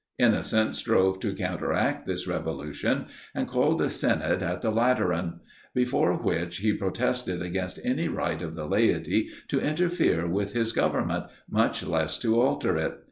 Innocent strove to counteract this revolution, and called a synod at the Lateran; before which he protested against any right of the laity to interfere with his government, much less to alter it.